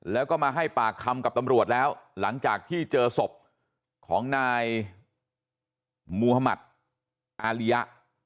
แล้วก็มาให้ปากคำกับตำรวจแล้วหลังจากที่เจอศพของนายมุธมัติอาริยะ